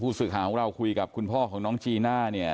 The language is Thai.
ผู้ศึกหาของเราคุยกับคุณพ่อของน้องจีน่า